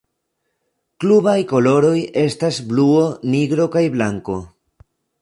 Klubaj koloroj estas bluo, nigro kaj blanko.